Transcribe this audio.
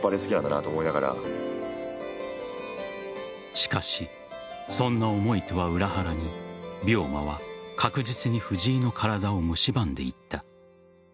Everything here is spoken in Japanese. しかし、そんな思いとは裏腹に病魔は確実に藤井の体をむしばんでいった。